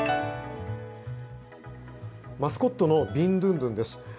マスコットのビンドゥンドゥンです。